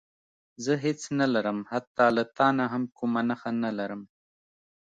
زه هېڅ نه لرم حتی له تا نه هم کومه نښه نه لرم.